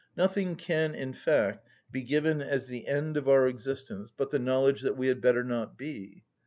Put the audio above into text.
Nothing can, in fact, be given as the end of our existence but the knowledge that we had better not be.